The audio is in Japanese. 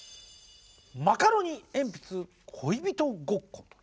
マカロニえんぴつ「恋人ごっこ」。